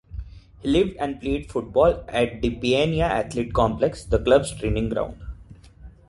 He lived and played football at the Paiania athletic complex, the club's training ground.